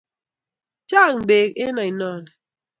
Chang' beek eng' aino ni.